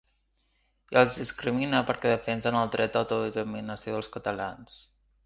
I els discrimina perquè defensen el dret d’autodeterminació dels catalans.